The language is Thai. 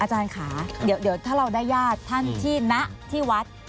อาจารย์ค่ะเดี๋ยวถ้าเราได้ญาติท่านที่ณที่วัด